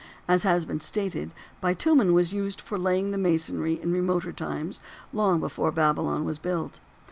As has been stated, bitumen was used for laying the masonry in the remoter times long before Babylon was built.